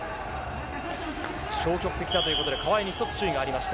消極的だということで一つ注意がありました。